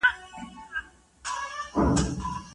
ماشوم انځور رسموي